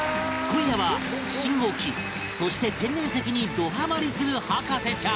今夜は信号機そして天然石にどハマりする博士ちゃん